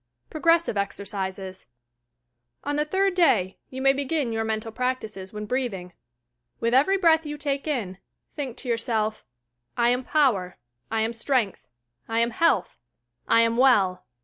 PROGRESSIVE EXERCISES On the third day, you may begin your mental prac tices when breathing. "With every breath you take in, think to yourself, "I am power; I am strength; I am health; I am well!"